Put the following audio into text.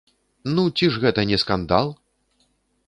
Ну ці ж гэта не скандал?!